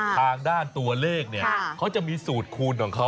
ทางด้านตัวเลขอันจะมีสูตรคูณของเขา